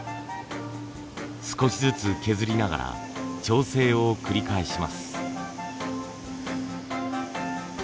少しずつ削りながら調整を繰り返します。